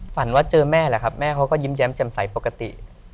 ฝันว่าเจอแม่แหละครับแม่เขาก็ยิ้มแย้มแจ่มใสปกติ